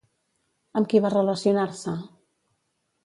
Amb qui va relacionar-se?